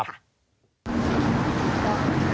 นะครับ